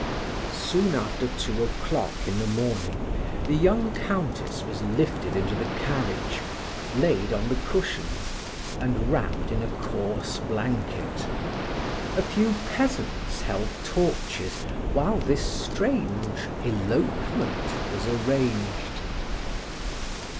Soon after two o'clock in the morning, the young Countess was lifted into the carriage, laid on the cushions, and wrapped in a coarse blanket. A few peasants held torches while this strange elopement was arranged.